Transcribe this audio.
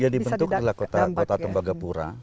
adalah kota tembagapura